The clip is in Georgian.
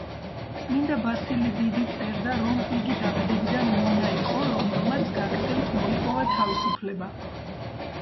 წმინდა ბასილი დიდი წერდა, რომ იგი დაბადებიდან მონა იყო, რომელმაც გაქცევით მოიპოვა თავისუფლება.